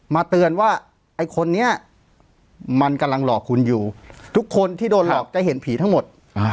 เตือนว่าไอ้คนนี้มันกำลังหลอกคุณอยู่ทุกคนที่โดนหลอกจะเห็นผีทั้งหมด